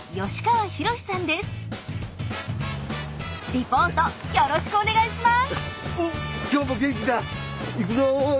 リポートよろしくお願いします！